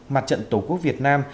mặt trận tổ quốc việt nam